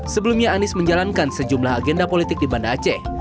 sebelumnya anies menjalankan sejumlah agenda politik di banda aceh